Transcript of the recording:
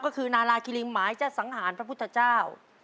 ก็คือนาราคิริงหมายจะสังหารพระพุทธเจ้า